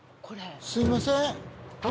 突然すいません。